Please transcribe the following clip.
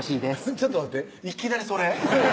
ちょっと待っていきなりそれ？